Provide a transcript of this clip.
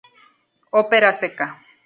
Ópera Seca.